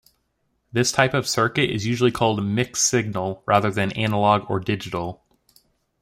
This type of circuit is usually called "mixed signal" rather than analog or digital.